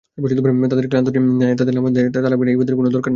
তাদের ক্লান্তি নাই, তাদের নামাজ নাই, তারাবি নাই, ইবাদতের কোনো দরকার নাই।